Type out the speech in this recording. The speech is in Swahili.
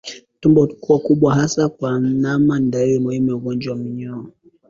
Tumbo kuwa kubwa hasa kwa ndama ni dalili muhimu ya ugonjwa wa minyoo